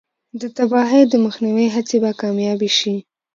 د تباهۍ د مخنیوي هڅې به کامیابې شي.